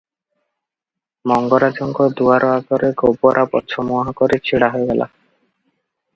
ମଙ୍ଗରାଜଙ୍କ ଦୁଆର ଆଗରେ ଗୋବରା ପଛମୁହଁ କରି ଛିଡ଼ା ହୋଇଗଲା ।